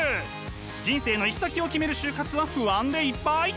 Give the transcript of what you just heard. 人生の行き先を決める就活は不安でいっぱい！